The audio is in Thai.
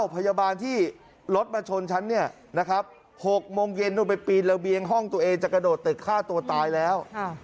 พยาบาลที่รถมาชนฉันเนี่ยนะครับ๖โมงเย็นต้องไปปีนระเบียงห้องตัวเองจะกระโดดตึกฆ่าตัวตายแล้ว